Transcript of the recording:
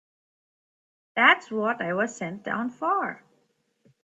That's what I was sent down for.